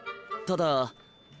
ただ。